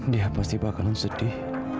dia pasti bakalan sedih